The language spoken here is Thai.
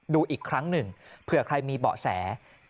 ดูอีกครั้งหนึ่งเผื่อใครมีเบาะแส